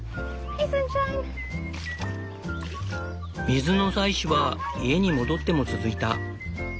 水の採取は家に戻っても続いた。